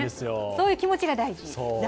そういう気持ちが大事。